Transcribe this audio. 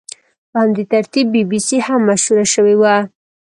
په همدې ترتیب بي بي سي هم مشهوره شوې وه.